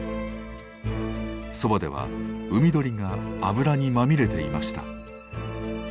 そばでは海鳥が油にまみれていました。